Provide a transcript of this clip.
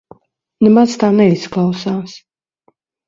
Nemaz tā neizklausās.